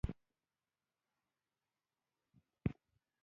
قلفونه له کونجۍ پرته نه جوړېږي دا حقیقت دی.